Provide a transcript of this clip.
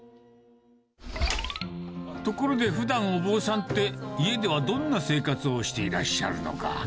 ところで、ふだんお坊さんって、家ではどんな生活をしていらっしゃるのか。